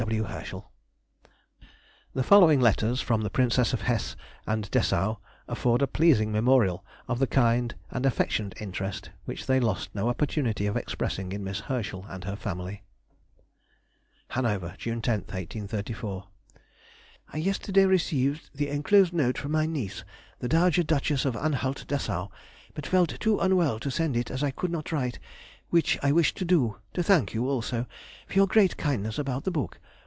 F. W. HERSCHEL. [Sidenote: 1834. The Landgravine of Hesse.] The following letters from the Princesses of Hesse and Dessau afford a pleasing memorial of the kind and affectionate interest which they lost no opportunity of expressing in Miss Herschel and her family. HANOVER, June 10, 1834. I yesterday received the enclosed note from my niece, the Dowager Duchess of Anhalt Dessau, but felt too unwell to send it as I could not write, which I wished to do, to thank you also for your great kindness about the book.